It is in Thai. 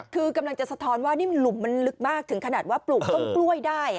คือกำลังจะสะท้อนว่านี่หลุมมันลึกมากถึงขนาดว่าปลูกต้นกล้วยได้